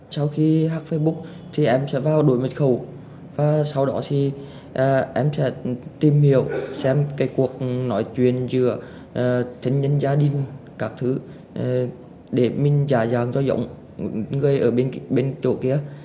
sau khi học facebook thì em sẽ vào đổi mật khẩu và sau đó thì em sẽ tìm hiểu xem cái cuộc nói chuyện giữa thân nhân gia đình các thứ để mình giàn cho giống người ở bên chỗ kia